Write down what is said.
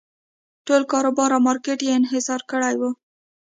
ټول کاروبار او مارکېټ یې انحصار کړی و.